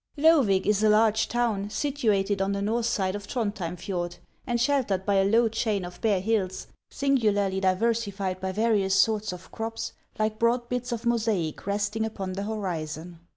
LOEVIG is a large town, situated on the north side of Throndhjera fjord, and sheltered by a low chain of bare hills, singularly diversified by various sorts of crops, like broad bits of mosaic resting upon the horizon.